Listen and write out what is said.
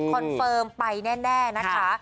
เฟิร์มไปแน่นะคะ